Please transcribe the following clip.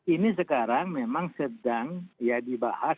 ini sekarang memang sedang ya dibahas